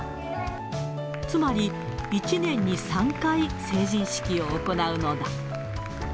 つまり１年に３回、成人式を行うのだ。